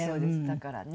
だからね。